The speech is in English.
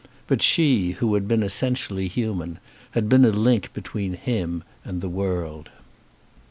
But she, who had been essentially human, had been a link between him and the world.